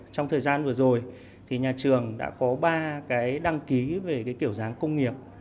trong thời gian vừa rồi nhà trường đã có ba đăng ký về kiểu dáng công nghiệp